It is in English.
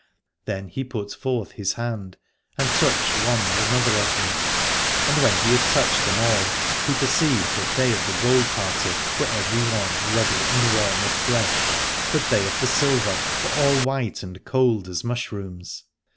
Then he put forth his hand and touched one and another of them : and when he had touched them all, he perceived that they of the gold party were every one ruddy and warm of flesh, but they of the silver were 126 Aladore all white and cold as mushrooms.